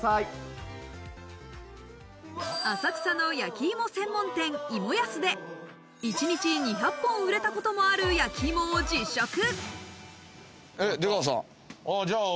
浅草の焼き芋専門店芋やすで一日２００本、売れたこともある焼き芋を実食。